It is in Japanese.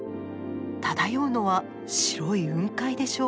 漂うのは白い雲海でしょうか。